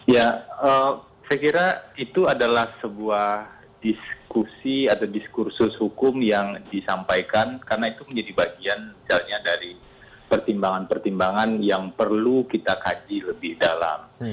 ya saya kira itu adalah sebuah diskusi atau diskursus hukum yang disampaikan karena itu menjadi bagian misalnya dari pertimbangan pertimbangan yang perlu kita kaji lebih dalam